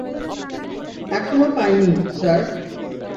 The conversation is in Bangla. এখনো পাইনি, স্যার।